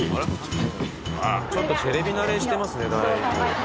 ちょっとテレビ慣れしてますねだいぶ。